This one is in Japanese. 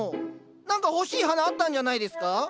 何か欲しい花あったんじゃないですか？